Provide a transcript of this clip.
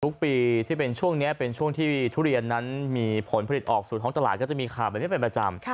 ทุกปีที่เป็นช่วงนี้เป็นช่วงที่ทุเรียนนั้นมีผลผลิตออกสู่ท้องตลาดก็จะมีข่าวแบบนี้เป็นประจำ